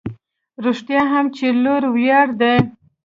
رښتیا هم چې لوی ویاړ دی.